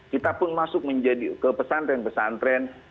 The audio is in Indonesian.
kita pun masuk menjadi ke pesantren pesantren